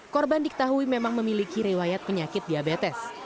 korban diketahui memang memiliki rewayat penyakit diabetes